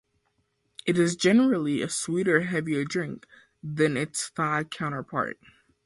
It is generally a sweeter, heavier drink than its Thai counterpart.